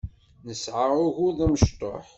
Nesɛa ugur d amecṭuḥ.